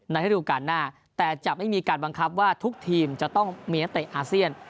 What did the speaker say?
ระดูการหน้าแต่จะไม่มีการบังคับว่าทุกทีมจะต้องมีนักเตะอาเซียน